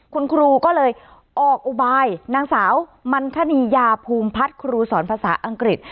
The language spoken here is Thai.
คุณครูก็เลยออกอุบายนางสาวมันคณียาภูมิพัฒน์ครูสอนภาษาอังกฤษ